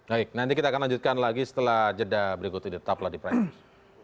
baik nanti kita akan lanjutkan lagi setelah jeda berikut ini tetaplah di prime news